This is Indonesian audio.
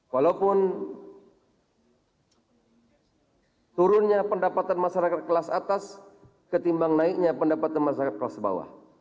walaupun turunnya pendapatan masyarakat kelas atas ketimbang naiknya pendapatan masyarakat kelas bawah